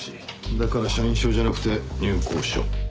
だから社員証じゃなくて入構証。